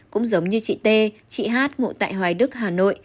cũng giống như chị t chị h mụ tại hoài đức hà nội